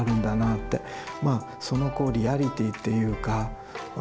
そのこうリアリティーっていうか